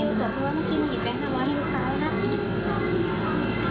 คุณผู้ชมดูว่าเมื่อกี้มันหยิบแบงค์ธรรมให้ดูซ้ายครับ